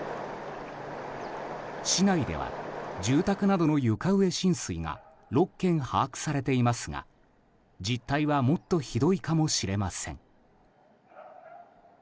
市内では住宅などの床上浸水が６件把握されていますが実態はもっとひどいかもしれません。